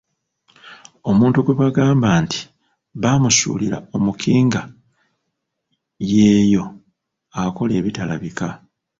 Omuntu gwe bagamba nti baamusuulira omukinga y’eyo akola ebitalabika.